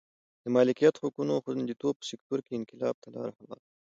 د مالکیت حقونو خوندیتوب په سکتور کې انقلاب ته لار هواره کړه.